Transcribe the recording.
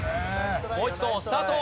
もう一度スタート。